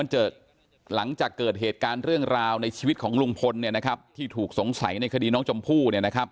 หลังจากเกิดเหตุการณ์เรื่องราวในชีวิตของลุงพลที่ถูกสงสัยในคดีน้องชมพู่